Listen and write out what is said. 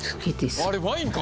あれワインか！